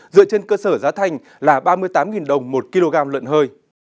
dựa trên cơ sở giá thành là ba mươi tám đồng một kg lợn hơi